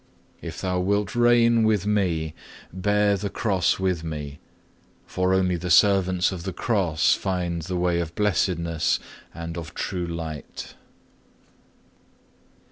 If thou wilt reign with Me, bear the cross with Me; for only the servants of the cross find the way of blessedness and of true light."